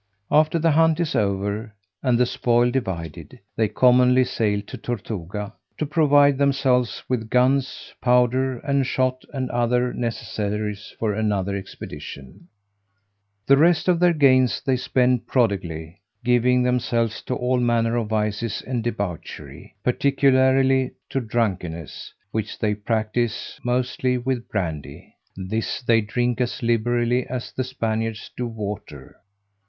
After the hunt is over, and the spoil divided, they commonly sail to Tortuga, to provide themselves with guns, powder, and shot, and other necessaries for another expedition; the rest of their gains they spend prodigally, giving themselves to all manner of vices and debauchery, particularly to drunkenness, which they practise mostly with brandy: this they drink as liberally as the Spaniards do water.